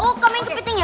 oh kamu yang ke piting ya